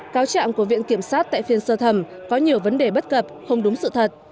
cáo trạng của viện kiểm sát tại phiên sơ thẩm có nhiều vấn đề bất cập không đúng sự thật